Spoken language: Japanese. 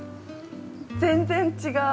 全然違う。